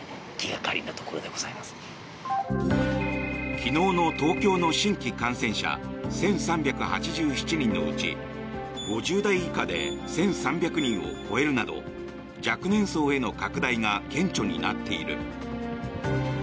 昨日の東京の新規感染者１３８７人のうち５０代以下で１３００人を超えるなど若年層への拡大が顕著になっている。